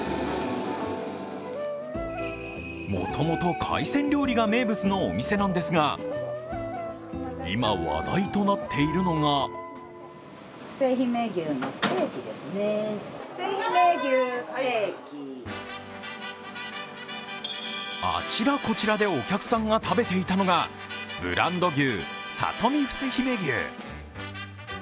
もともと海鮮料理が名物のお店なんですが、今、話題となっているのがあちらこちらでお客さんが食べていたのが、ブランド牛・里見伏姫牛。